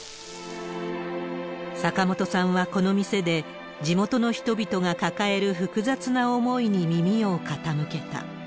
坂本さんはこの店で、地元の人々が抱える複雑な思いに耳を傾けた。